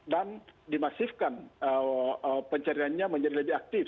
dan dimasifkan pencariannya menjadi lebih aktif